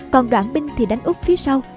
còn đoạn binh thì đánh úc phía sau